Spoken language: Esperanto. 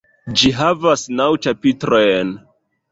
Ĝi havas naŭ ĉapitrojn.